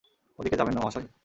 ওদিকে যাবেন না, মহাশয়।